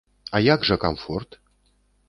А як жа камфорт?